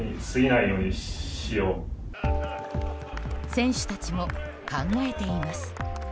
選手たちも考えています。